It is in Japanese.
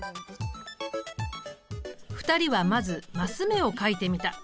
２人はまずマス目を書いてみた。